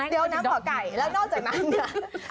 เดี๋ยวนะหมอไก่แล้วนอกจากนั้นเนี่ย